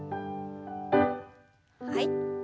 はい。